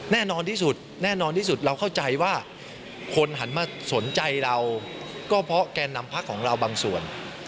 แน่นอนที่สุดแน่นอนที่สุดเราเข้าใจว่าคนหันมาสนใจเราก็เพราะแกนนำพักของเราบางส่วน